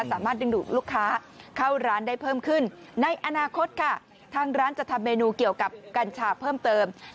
สามารถดึงดูดลูกค้าเข้าร้านได้เพิ่มขึ้นในอนาคตค่ะทางร้านจะทำเมนูเกี่ยวกับกัญชาเพิ่มเติม